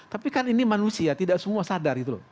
tapi kan ini manusia tidak semua sadar